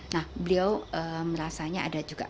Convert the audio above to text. nah beliau merasanya ada juga